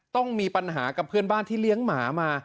ต้องมีปัญหากับเพื่อนบ้านที่เลี้ยงหมามา